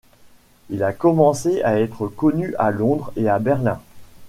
Il a commencé à être connu à Londres et à Berlin.